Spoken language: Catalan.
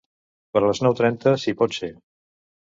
Per les nou trenta, si pot ser.